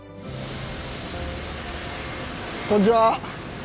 こんにちは！